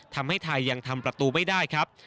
ทำให้ไทยยังทำประตูไม่ได้ครับ